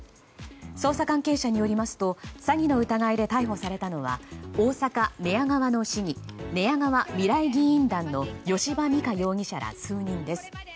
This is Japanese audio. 捜査関係者によりますと詐欺の疑いで逮捕されたのは大阪・寝屋川の市議ねやがわ未来議員団の吉羽美華容疑者ら数人です。